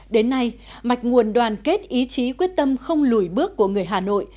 đến nay mạch nguồn đoàn kết ý chí quyết tâm không lùi bước của người hà nội